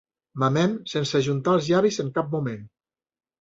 Mamem sense ajuntar els llavis en cap moment.